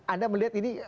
anda melihat ini